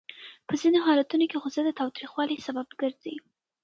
په ځینو حالتونو کې غوسه د تاوتریخوالي سبب ګرځي.